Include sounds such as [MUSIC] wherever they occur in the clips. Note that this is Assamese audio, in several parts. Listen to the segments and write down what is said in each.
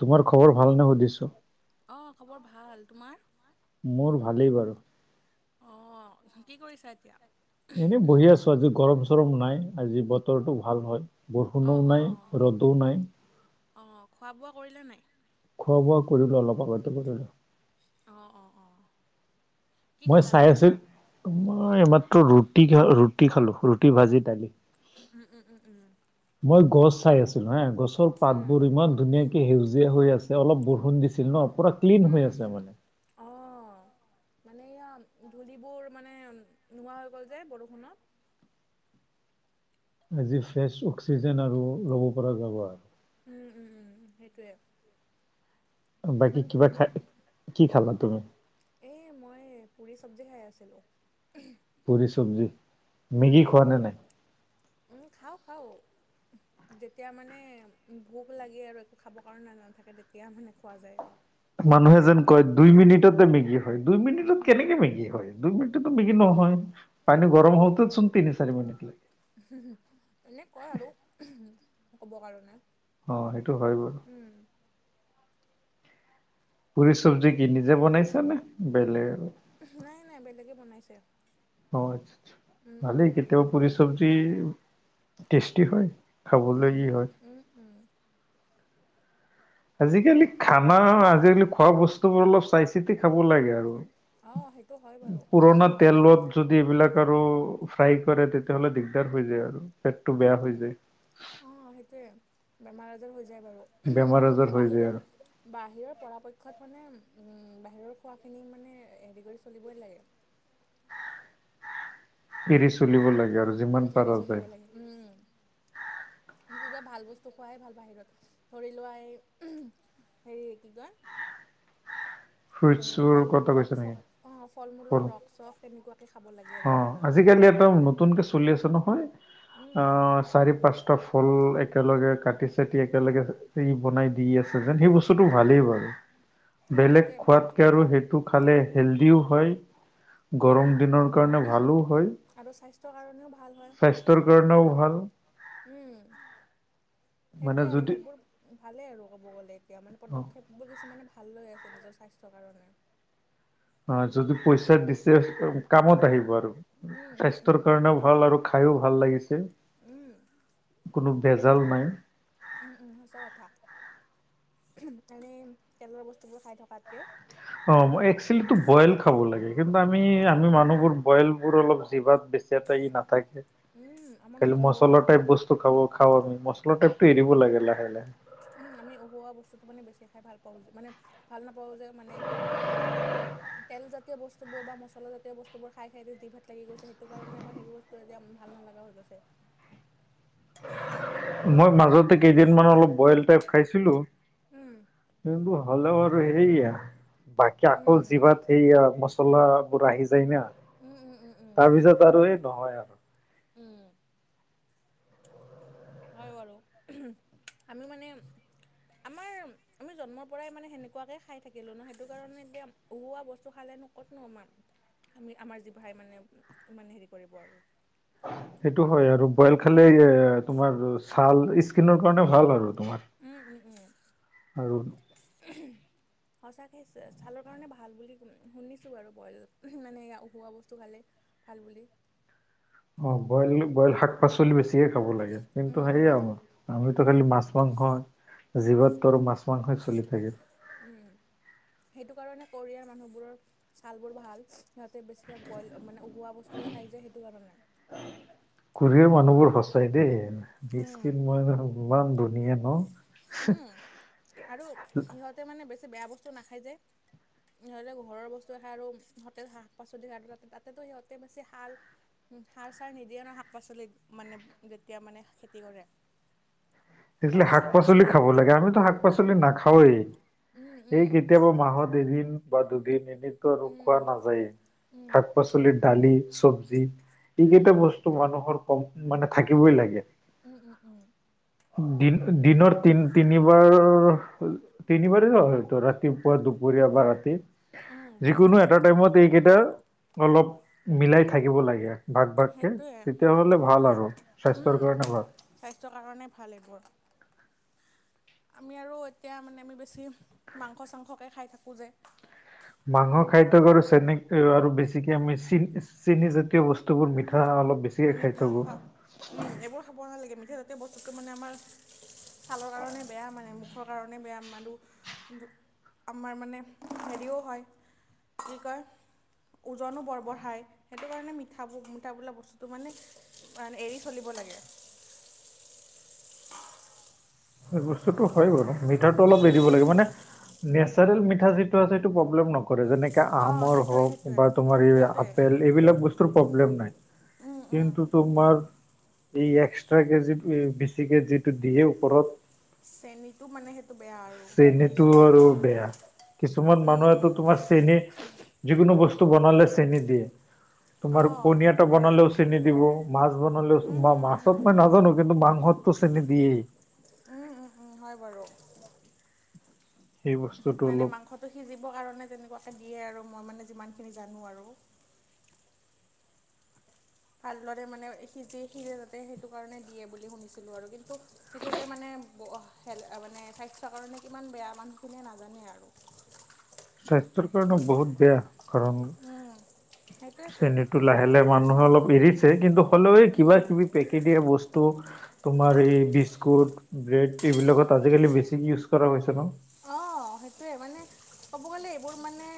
তোমাৰ খবৰ ভাল নে সুধিছো? অ খবৰ ভাল। তোমাৰ? মোৰ ভালেই বাৰু। অ কি কৰিছা এতিয়া? এনে বহি আছো আজি গৰম চৰম না, ই আজি বতৰটো ভাল হয়। বৰষুণও নাই ৰ'দও নাই। অ খোৱা বোৱা কৰিলা নে নাই? খোৱা বোৱা কৰিলো অলপ আগতে কৰিলো। অ অ অ। মই চাই আছিল মই এইমাত্ৰ ৰুট টি ঘৰ ৰুটি খালো ৰুটি ভাজি দালি। উম উম উম উম মই গছ চাই আছিলো হে গছৰ পাত উম বোৰ ইমান ধুনীয়াক সেউজীয়া হৈ আছে অলপ বৰষুণ দিছিল ন পুৰা ক্লিন হৈ আছে মানে। অ। মানে এইয়া ধূলিবোৰ মানে নোহোৱা হৈ গ'ল যে বৰষুণত। আজি ফ্ৰেছ অক্সিজেন আৰু ল'ব পৰা যাব আৰ। উম উম উম সেইটোৱে। বাকী মানে কিবা ধূলিবোৰ খাই কি খালা তুমি? এই মই পুৰি চবজি খাই আছিলো। পুৰি চব্জি, মেগি খোৱা নে নাই? উম খাওঁ খাওঁ। যেতিয়া মানে ভোক লাগে আৰু একো খাবৰ কাৰণে নাথাকে তেতিয়া মানে খোৱা যায়। মানুহে যেন কয় দুই মিনিটতে মেগী হয় দুই মিনিটত কেনেকে মেগী হয়। দুই মিনিটতো মেগি নহয়, পানী গৰম হওঁতেচোন তিনি চাৰি মিনিট লাগে। এনে কয় আৰু ক'ব কাৰণে। অ' সেইটো হয় বাৰু। উম। পুৰি চব্জি কি নিজে বনাইছা নে, বেলেগ। নাই, নাই বেলেগে বনাইছে। অ' আচ্চা, আচ্চা উম, উম, ভালেই উম, কেতিয়াবা পুৰি চব্জি টেষ্টি হয়। উম, খাবলৈ ই উম, হয় উম, উম। আজিকালি খানা, আজিকালি খোৱা বস্তুবোৰ অলপ চাই চিতি খাব লাগে আৰু। অ' সেইটো হয় বাৰু। পুৰণা তেলত যদি এইবিলাক আৰু ফ্ৰাই কৰে, তেতিয়া হ'লে দিগদাৰ হৈ যায় আৰু পেটটো বেয়া হৈ যায়। অ' সেইটোৱে বেমাৰ-আজাৰ হৈ যায় বাৰু। বেমাৰ সেইটো আজাৰ কাৰণে হৈ যায় বাহিৰৰ আৰু বাহিৰৰ পৰাপক্ষত মানে, বাহিৰৰ খোৱাখিনি মানে হেৰি কৰি চলিবই লাগে। এৰি চলিব লাগে আৰু। যিমান উম' এৰি পাৰা যায়। চলিব লাগে, উম। উম' কিবা ভাল বস্তু খোৱাই ভাল বাহিৰত, ধৰি লোৱা এই হেৰি কি কয় এই ফ্ৰুইটছৰ ফল, কথা কৈছা নেকি? ফল-মূলৰ ফল ৰস-চস এনেকুৱাকে খাব লাগে। আৰু অ' বাহিৰত। আজিকালি একদম নতুনকে চলি আছে নহয়, উম, আ চাৰি-পাঁচ ত' ফল-মূল একেলগে কাটি চাটি একেলগে, ই বনাই দি আছে যে, সেই ব টো ভালেই উম, বাৰু, উম, বেলেগ সেইটোৱে ভাল খোৱাতকে আৰু সেইটো খালে হেল্ডিও হয়, গৰম অ'। দিনৰ কাৰণে ভালো হয়। আৰু স্বাস্থ্যৰ কাৰণেও ভাল হয়, স্বাস্থ্যৰ কাৰণেও ভাল উম। মানে সেইটোৱে আৰু যদি সেইবোৰ ভালে আৰু ক'ব গ'লে, এতিয়া মানে অ পদক্ষেপবোৰ কিছুমানে ভাল লৈ আছে নিজৰ স্বাস্থ্যৰ কাৰণে। অ' যদি পইচা দিছে, কামত আহিব আৰু। উম উম উম স্বাস্থ্যৰ কাৰণেও ভাল আৰু খাইয়ো ভাল লাগিছে। উম কোনো বেজাল সঁচা নাই। উম, উম সঁচা কথা, এনেই তেলৰ বস্তুবোৰ খায় থকাতকে। অ' একচুৱেলিটো বইল খাব লাগে, কিন্তু আমি, আমি মানুহবোৰ বইলবোৰ অলপ জিভাত বে নাথাকে, উম আমাৰ মানে খালি উহোৱা মছলা টাইপ ব টো খাব খাওঁ আমি, মছলা টাইপটো এৰিব লাগে লাহে, লাহে। আমি অঁহৱা বস্তুটো মানে বেছি খাই ভাল পাওঁ যে, মানে ভাল নাপাওঁ যে মানে এইবোৰ। তেলজাতীয় বস্তুবোৰ বা মছলা জাতীয় বস্তুবোৰ খাই খাই যে জিভাত লাগি গৈছে, সেইটো কাৰণে আমাৰ সেইবোৰ ব টো এতিয়া ভাল নালাগা হৈ গৈছে। মই মাজতে কেইদিনমান অলপ বইল টাইপ খাইছিলো। উম। কিন্তু হ'লেও আৰু সেইয়া বাকী আকৌ উম জিভাত সেইয়া মচলাবোৰ আহি যায় না। উম, উম, উম, উম। তাৰপিছত আৰু এ নহয় আৰু। উম হয় বাৰু, আমি মানে, আমাৰ আমি জন্মৰ পৰাই মানে সেনেকুৱাকে খাই থাকিলোঁ ন, সেইটো কাৰণে এতিয়া উহোৱা বস্তু খালে নো ক'তনো আমাৰ আমি আমাৰ জিভাই মানে, ইমান হেৰি কৰিব আৰু সেইটো হয় আৰু বইল উম খালে, এ তোমাৰ ছাল-স্কিনৰ কাৰণে ভাল হয়। উম, উম, উম। আৰু। উহু। সঁচাকে ছালৰ কাৰণে ভাল বুলি শুনিছো বাৰু বইল মানে এয়া উখুৱা বস্তু খালে। ভাল বুলি। অ' বইল, বইল শাক-পাচলি বেছিকে খাব লাগে, কিন্তু উম উম সেয়া আমাৰ আমিতো উম খালি মাছ, মাংস জিভাত টো আৰু মাছ, মাংসই চলি থাকে। উম, সেইটো কাৰণে কোৰিয়াৰ মানুহবোৰৰ ছাল বোৰ ভাল, সিহঁতে বেছি বইল মানে, উখোৱা বস্তুয়ে খাই যে, সেইটো কাৰণে। কোৰিয়াৰ মানুহবোৰ সঁচাই দেই, উম ইস্কিন মই ভাবো ইমান ধুনীয়া ন। উম! আৰু সিহঁতে মানে বেছি বেয়া বস্তু নাখায় যে। সিহঁতে ঘৰৰ বস্তু এ খাই আৰু সতেজ শাক-পাচলি খায় আৰু তাতে তাতেতো সিহঁতে বেছি সাৰ সাৰ-চাৰ নিদিয়ে ন শাক -পাচলিত, মানে যেতিয়া মানে খেতি কৰে। [INAUDIBLE] এক্সুৱেলি শাক শাক-পাচলি পাচলি খাব লাগে, আমিতো শাক-পাচলি নাখায়েই, উম এই উম কেতিয়াবা মাহত এদিন বা দুদিন এনেতো আৰু উম খোৱা নাযায়েই উম শাক-পাচল বোলে দালি চব্জি, এইকেইটা উম বস্তু মানুহৰ ক'ম মানে থাকিবই লাগে। উম, উম, উম। দিন দিনৰ, তিন তিনিবাৰ তিনিবাৰে হয় হয়টো ৰাতিপুৱা, দুপৰীয়া বা ৰাতি উম যি কোনো এটা টাইমত এইকেইটা অলপ মিলাই থাকিব লাগে। ভাগ ভাগকে সেইটোৱে তেতিয়া হ'লে ভাল সেইটোৱে আৰু উম স্বাস্থ্যৰ কাৰণে ভাল। স্বাস্থ্যৰ কাৰণে ভাল এইবোৰ। আমি আৰু এতিয়া মানে আমি বেছি মাংস-চাংসকে খাই থাকোঁ যে। মাংস খায় থাকো আৰু চেনিক আৰু বেছিকে আমি চি চেনি জাতীয় বস্তুবোৰ মিঠা অলপ বেছি মিঠা খাও এইবোৰ খাব নালাগে মিঠা জাতীয় বস্তুটো মানে আমাৰ ছালৰ কাৰণে বেয়া মানে মূখ মূখৰ কাৰণে বেয়া আমাৰ, আমাৰ মানে হেৰিও হয়। কি কয় ওজনো বৰ বঢ়ায়, সেইটো কাৰণে মিঠাবোৰ মিঠা বোলা বস্তু তো মানে, এৰি চলিব লাগে। এই বস্তুতো হয় বাৰু মিঠাটো অলপ এৰিব লাগে মানে নেচাৰেল মিঠা যিটো আছে সেইটো প্ৰবলেম নকৰে। কৰে যেনেকে অঁ আমৰ সেইটোৱে হওঁক, সেইটোৱে বা তোমাৰ এই সেইটোৱে আপেল এইবিলাক বস্তুৰ প্ৰব্লেম নাই। উম, উম। কিন্তু তোমাৰ, এই এক্সট্ৰাকে যে বেছিকে যিটো দিয়ে ওপৰত। চেনীটো মানে সেইটো বেয়া আৰু চেনীটো বুজিছোঁ, আৰু উম, উম। চেনি যিকোনো বস্তু বনালে চেনি দিয়ে। তোমাৰ অঁ কণী সেইটো এটা হয় বনালেও চেনি দিব, মাছ উম বনালেও বা মাছ উম চব উম মই নাজানো কিন্তু মাংসতো চেনি দিয়েই। উম, উম, উম হয় বাৰু। সেই বস্তুটো মানে অলপ মাংসটো সিজিবৰ কাৰণে তেনেকুৱাকে দিয়ে আৰু মই মানে যিমান খিনি জানো আৰু। ভালদৰে মানে সিজি সিজে যাতে, সেইটো কাৰণে দিয়ে বুলি শুনিছিলোঁ আৰু কিন্তু ত'সেইটো যে মানে ব হে'ল, মানে স্বাস্থ্যৰ কাৰণে কিমান বেয়া মানুহখিনিয়ে নাজানে আৰু। স্বাস্থ্যৰ কাৰণ বহুত বেয়া। কাৰণ সেইটোৱেতো চেনিটো লাহে লাহে মানুহে অলপ এৰিছে। কিন্তু হ'লেও কিবা কিবি পেকেটিয়ে বস্তু তোমাৰ এই বিস্কুট, ব্ৰেড এইবিলাকত আজিকালি বেছিক ইউজ কৰা হৈছে ন। অ', সেইটোয়ে মানে ক'ব গ'লে এইবোৰ মানে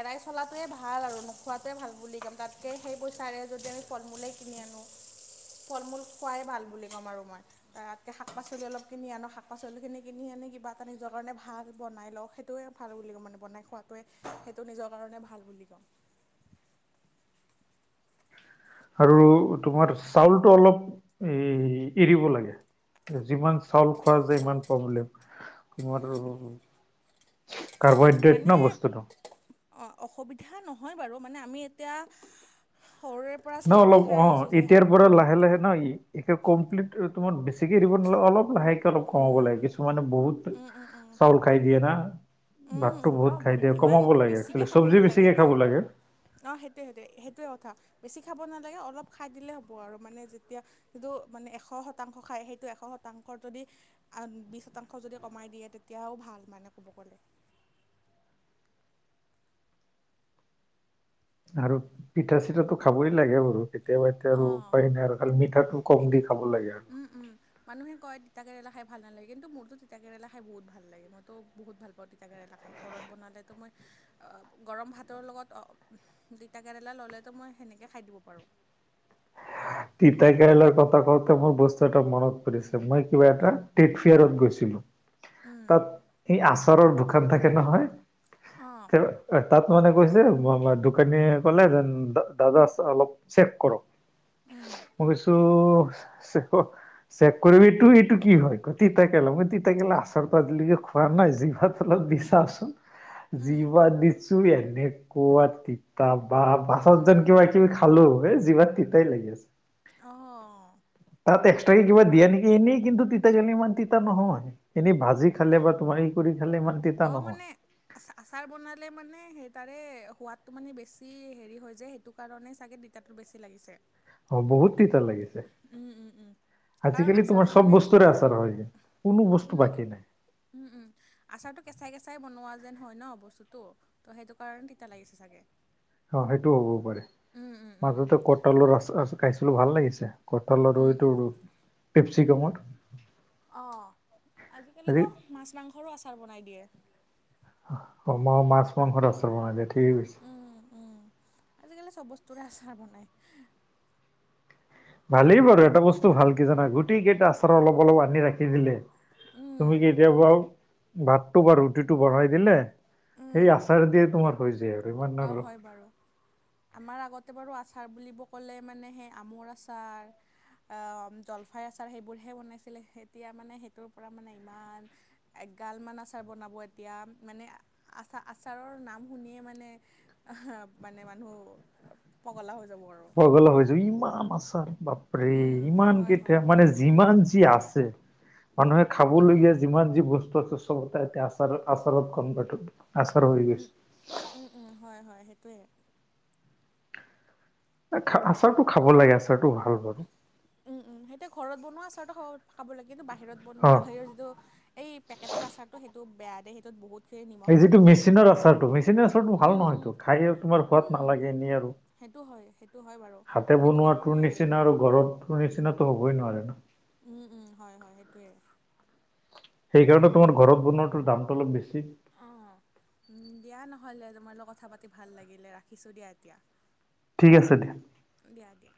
এৰাই চলাটোয়ে ভাল আৰু। নোখোৱা তাতে ভাল বুলি কম, তাতকৈ সেই পইচাৰে যদি আমি ফল-মূলেই কিনি আনো। ফল-মূল খোৱাই ভাল বুলি ক'ম আৰু মই। তাতকৈ শাক-পাচলি অলপ কিনি আনো। শাক পাচলিখিনি কিনি আনি কিবা এটা নিজৰ কাৰণে ভা ভাত বনাই লওঁ। সেইটোৱে ভাল বুলি কওঁ মানে, বনাই খোৱাটোৱে সেইটো নিজৰ কাৰণে ভাল বুলি কওঁ। আৰু তোমাৰ চাউলটো অলপ এ এৰিব লাগে। যিমান চাউল খোৱা যায় সিমান প্ৰব্লেম। তোমাৰ কাৰ্বহাইড্ৰেট ন বস্তুটো? অ', অসুবিধা নহয় বাৰু, মানে আমি এতিয়া সৰুৰে পৰা চাউলে খাই আহিছোঁ যে? পুৰা লাহে লাহে না, কমপ্লিট তোমাৰ বেছিকে এৰি দিব নালাগে, অলপ লাহেকে অলপ কমাব লাগে। পিছত ত' মানে বহুত উম উম উম চাউল খাই দিয়ে না। ভাতো উম ন বহুত খাই দিয়ে ইমান কমাব লাগে, একচুৱেলি চব্জি বেছিকে খাব লাগে। অহ, সেইটোৱে সেইটোৱে সেইটোৱে কথা। বেছি খাব নালাগে, অলপ খাই দিলে হ'ব আৰু মানে যেতিয়া যিটো মানে এশ শতাংশ খায়, সেইটো এশ শতাংশৰ যদি আন বিশ শতাংশ যদি কমাই দিয়ে তেতিয়াও ভাল মানে ক'ব গ'লে। আৰু পিঠা-চিঠাটো খাবই নালাগে বাৰু, কেতিয়াবা এতিয়া আৰু অঁ উপায় নাই আৰু। আৰু মিঠাটো কম দি খাব লাগে আৰু। উম, উম। মানুহে কয় তিতাকেৰেলা খায় ভাল নালাগে, কিন্তু মোৰতো তিতা কেৰেলা খাই বহুত ভাল লাগে। মইতো বহুত ভাল পাওঁ তিতা কেৰেলা খাই। ঘৰত বনালেতো মই অহ, গৰম ভাতৰ লগত অ' তিতা কেৰেলা ল'লেতো মই সেনেকে খাই দিব পাৰোঁ। তিতা কেৰেলাৰ কথা কওঁতে মোৰ বস্তু এটা মনত পৰিছে, মই কিবা এটা ট্ৰেডফেয়াৰত গৈছিলোঁ। উম তাত এই আচাৰৰ দোকান থাকে নহয়। অ'। এ তাত মানে কৈছে ম' ম' দোকানীয়ে ক'লে যেন দা দাদা চ অলপ চেক কৰক'। উম। মই কৈছোঁ চা চে হ' চেক কৰিবি এইটো এইটো কি হয়। কয় তিতা কেৰেলা, মই তিতা কেৰেলা আচাৰটো আজি লৈকে শু না নাই, জিভাত অলপ দি চাওচোন, উম জিভাত দিছোঁ এনেকুৱা তি তা বা পাছত যেন কিবা উম কিবি খালোঁ, এই জিভাত তিতাই লাগি আছে। অহ। তাত এক্সট্ৰাকে কি কিব দিয়ে নেকি, এনে কিন্তু তিতা কেৰেলা ইমান তিতা নহয়? এনে ভাজি খালে বা তোমাৰ ই কৰি খালে ইমান তিতা অ' নহয়। মানে আচা আচাৰ বনালে মানে সেই তাৰে সোৱাদটো মানে বেছি হেৰি হয় যে, সেইটো কাৰণে চাগে তি তাতো বেছি লাগিছে। অ' বহুত তিতা লাগে। উম উম উম কাৰণ আজিকালি আচাৰটো তোমাৰ চব মানে বস্তুৰে আচাৰ হয়, কোনো উম বস্তু বাকী নাই। উম, উম। আচাৰটো কেঁচাই কেঁচাই বনোৱা যেন হয় ন' বস্তুটো। ত' সেইটো কাৰণে তিতা লাগিছে চাগে। অহ' সেইটো হ'ব পাৰে। উম উম উম মাজতে কঁটলৰ আচ আচ খাইছিলোঁ। ভাল লাগিছে। কঁতল আৰু উম এইটো উম কেপচিকমত। অ। আজিকালিটো মাছ-মাংসৰো আচাৰ বনাই দিয়ে। [UNINTELLIGIBLE] মাছ-মাংসত আচাৰ বনাই দিয়ে। ঠিকে কৈছে। উম উম আজিকালি চব বস্তুৰে আচাৰ বনায়। ভালেই বাৰু। এটা বস্তু ভাল কি জানা? গোটেই কেইটা আচাৰ অলপ অলপ আনি ৰাখি দিলে, উম তুমি কি তিয়াবাও ভাতটো বা ৰুটিটো বনাই দিলে, সেই আচাৰ দিয়ে তোমাৰ হৈ যায় আৰু। ইমান অ', আৰু হয় বাৰু। আমাৰ আগতে বাৰু আচাৰ বুলিব ক'লে মানে, সে আমৰ আচাৰ আ', জলফাইৰ আচাৰ, সেইবোৰহে বনাইছিলে। এতিয়া মানে সেইটোৰ পৰা মানে ইমান এগালমান আচাৰ বনাব এতিয়া। মানে আ' আচা আচাৰৰ নাম শুনিয়ে মানে আহা' মানে মানুহ পগলা হৈ যাব আৰু। পগল হৈছোঁ। ইমান আচাৰ, বাপৰে, উম ইমান হয় কেইটা। হয় মানে যিমান যি আছে, মানুহে উম খাবলগীয়া যিমান যি বস্তু আছে। চ- চবতে এতিয়া আচাৰ, আচাৰত কনভাৰ্টত আচাৰ হৈ গৈছে। উম উম, হয় হয়, সেইটোৱে। [UNINTELLIGIBLE] আচাৰটো খাব লাগে, আচাৰটো ভাল বাৰু। উম উম, সেইটোৱে। ঘৰত বনোৱা আচাৰটো খাব, খাব লাগে। কিন্তু বাহিৰত বন, অ মা' বাহেৰৰ যিটো এই পেকেটৰ আচাৰটো সেইটো বেয়া দে। সেইটোত বহুত সেই নিমখ এই থাকে। যিটো ত' মেচিনৰ নিমখটো মানে, আচাৰটো মেচিনৰ আচাৰটো ভাল উম উম, নহয়তো খাই তোমাৰ সোৱাদ উম। নালাগে এনেই আৰু সেইটো হয় সেইটো হয় বাৰু। হাতে সেইটো বনোৱাটোৰ কাৰণে আৰু। নিচিনা আৰু ঘৰত [UNINTELLIGIBLE] নিচিননাত' হ'বই নোৱাৰে ন। উম উম, হয় হয়, সেইটোৱেই। সেইকাৰণে তোমাৰ ঘৰত বনোৱাটোৰ দামটো অলপ বেছি। অ'। উম। দিয়া নহ'লে তোমাৰ লগত কথা পাতি ভাল লাগিলে। ৰাখিছোঁ দিয়া এতিয়া। ঠিক আছে দিয়া। দিয়া দিয়া।